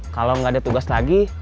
kalau nggak ada tugas lagi